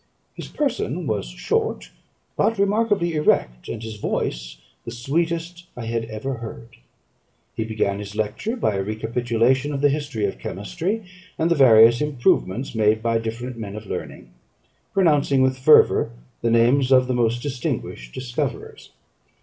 His person was short, but remarkably erect; and his voice the sweetest I had ever heard. He began his lecture by a recapitulation of the history of chemistry, and the various improvements made by different men of learning, pronouncing with fervour the names of the most distinguished discoverers.